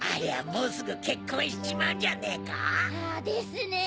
もうすぐ結婚しちまうんじゃねえか？ですね！